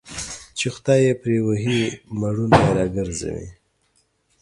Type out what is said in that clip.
چي خداى يې پري وهي مړونه يې راگرځوي